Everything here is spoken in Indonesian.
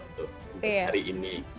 untuk hari ini